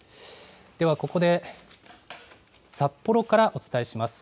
ではここで、札幌からお伝えします。